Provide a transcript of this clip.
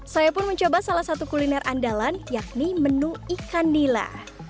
saya pun mencoba salah satu kuliner andalan yakni menu ikan nila